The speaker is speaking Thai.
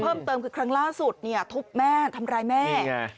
เพิ่มเติมคือครั้งล่าสุดเนี่ยทุบแม่ทำร้ายแม่